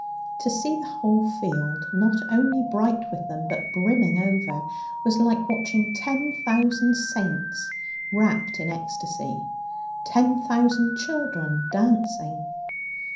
To see the whole field not only bright with them, but brimming over, was like watching ten thousand saints rapt in ecstasy, ten thousand children dancing.